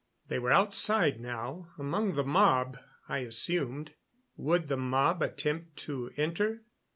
They were outside now, among the mob, I assumed. Would the mob attempt to enter?